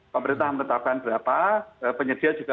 pemerintah menetapkan berapa penyedia juga